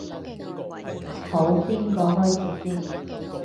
好，邊個開始先？